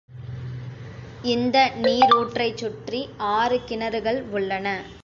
இந்த நீரூற்றைச் சுற்றி ஆறு கிணறுகள் உள்ளன.